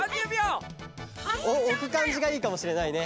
おくかんじがいいかもしれないね。